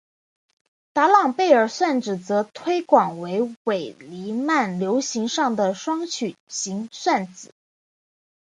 达朗贝尔算子则推广为伪黎曼流形上的双曲型算子。